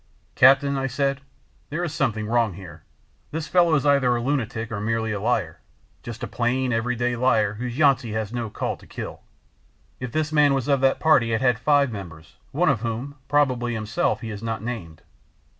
"Captain," I said, "there is something wrong here. This fellow is either a lunatic or merely a liar—just a plain, every day liar whom Yountsey has no call to kill. If this man was of that party it had five members, one of whom—probably himself—he has not named."